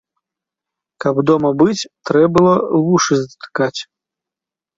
Каб дома быць, трэ было вушы затыкаць.